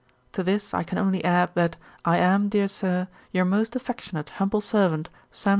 To this I can only add, that 'I am, dear Sir, 'Your most affectionate humble servant, 'SAM.